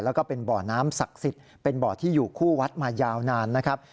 แล้วก็เป็นบ่อน้ำศักดิ์สิทธิ์เป็นบ่อที่อยู่คู่วัดมายาวนานนะครับ